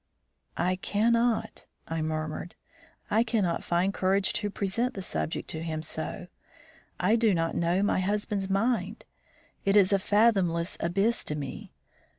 "I cannot," I murmured, "I cannot find courage to present the subject to him so. I do not know my husband's mind. It is a fathomless abyss to me.